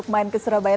main ke surabaya